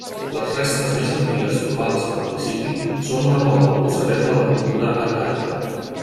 Les restes més antigues trobades al municipi són una tomba procedent de la cultura argàrica.